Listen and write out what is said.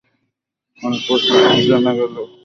অনেক প্রশ্নের উত্তর জানা গেল ম্যাক্সওয়েলের সমীকরণ থেকে।